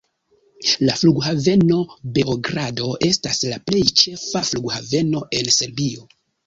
La Flughaveno Beogrado estas la plej ĉefa flughaveno en Serbio.